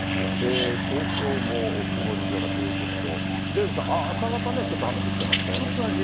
東京も曇り空ということで、デーブさん、朝方ね、ちょっとね、雨降ってましたよね。